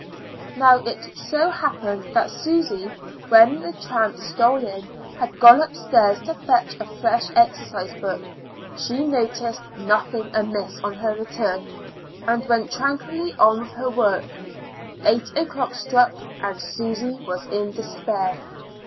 Now it so happened that Susy, just when the tramp stole in, had gone upstairs to fetch a fresh exercise book. She noticed nothing amiss on her return, and went tranquilly on with her work. Eight o'clock struck. Susy was in despair.